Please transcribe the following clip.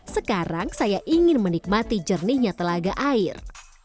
sekarang saya ingin menikmati jernihnya telaga air